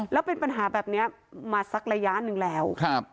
แล้วเป็นปัญหาแบบนี้มาสักระยะหนึ่งแล้ว